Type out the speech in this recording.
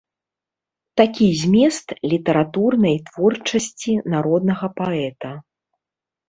Такі змест літаратурнай творчасці народнага паэта.